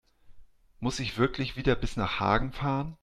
Muss ich wirklich wieder bis nach Hagen fahren?